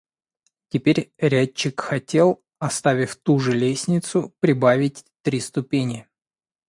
Теперь рядчик хотел, оставив ту же лестницу, прибавить три ступени.